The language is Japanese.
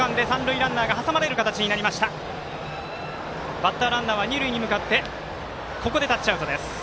バッターランナーは二塁へ向かってタッチアウトです。